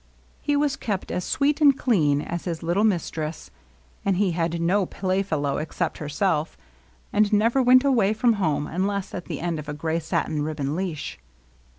He was kept as sweet and clean as his little mistress^ and he had no playfellow except herself; and never went away from home unless at the end of a gray satin ribbon leash.